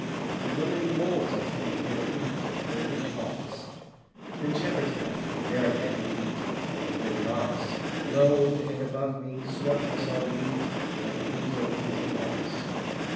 On glimmering wolds I seemed to hear the bleat Of folded flocks: Then shepherds passed me, bare of head and feet; And then an ox Lowed; and, above me, swept the solemn beat Of angel wings and locks.